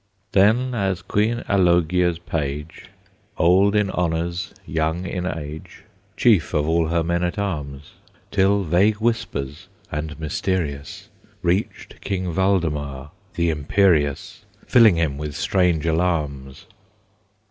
Then as Queen Allogia's page, Old in honors, young in age, Chief of all her men at arms; Till vague whispers, and mysterious, Reached King Valdemar, the imperious, Filling him with strange alarms.